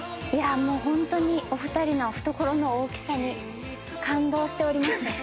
ホントにお二人の懐の大きさに感動しております。